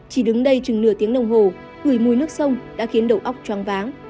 chỉ đứng đây chừng nửa tiếng đồng hồ gửi mùi nước sông đã khiến đầu óc choáng váng